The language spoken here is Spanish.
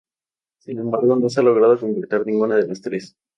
Sin embargo, no se ha logrado concretar ninguna de las tres.